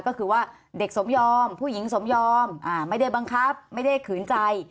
ก็คือว่าเด็กสมยอมผู้หญิงสมยอมไม่ได้บังคับไม่ได้ขืนใจ